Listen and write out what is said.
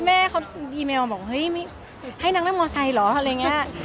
แม่เขาอีเมลมาบอกเฮ้ยให้นางนั่งมอเตอร์ไซด์เหรออะไรอย่างนี้